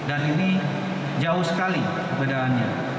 dan ini jauh sekali bedaannya